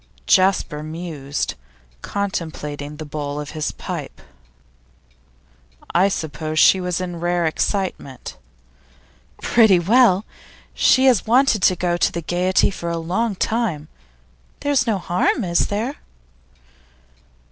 Jasper mused, contemplating the bowl of his pipe. 'I suppose she was in rare excitement?' 'Pretty well. She has wanted to go to the Gaiety for a long time. There's no harm, is there?